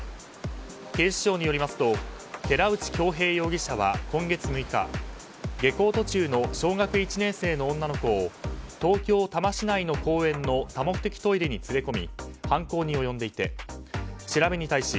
警視庁によりますと寺内響平容疑者は今月６日下校途中の小学１年生の女の子を東京・多摩市内の公園の多目的トイレに連れ込み犯行に及んでいて調べに対し